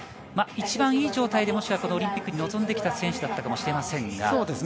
一番いい状態で、もしくはこのオリンピックに臨んできた選手だったかもしれません。